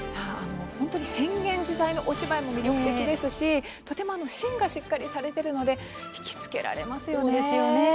本当に変幻自在のお芝居も魅力的ですしとても芯がしっかりされているので引きつけられますよね。